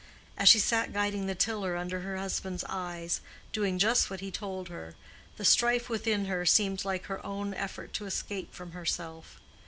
As she sat guiding the tiller under her husband's eyes, doing just what he told her, the strife within her seemed like her own effort to escape from herself.